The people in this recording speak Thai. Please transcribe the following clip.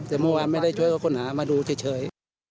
แต่เมื่อวันไม่ได้ช่วยกับคนก็น้ำมาดูเฉย